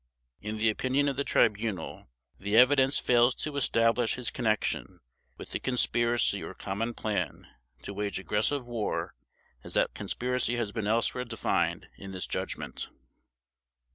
In the opinion of the Tribunal, the evidence fails to establish his connection with the conspiracy or common plan to wage aggressive war as that conspiracy has been elsewhere defined in this Judgment.